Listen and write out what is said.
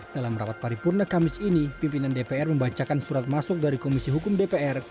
dalam rapat paripurna kamis ini pimpinan dpr membacakan surat masuk dari komisi hukum dpr